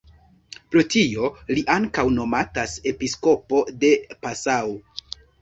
Pro tio li ankaŭ nomatas "Episkopo de Passau".